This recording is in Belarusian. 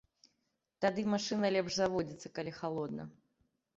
Тады машына лепш заводзіцца, калі халодна.